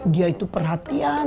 dia itu perhatian